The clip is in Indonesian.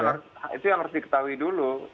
nah itu yang harus diketahui dulu